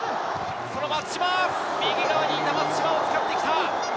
右側にいた松島を使ってきた。